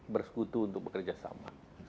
bersekutu untuk bekerjasama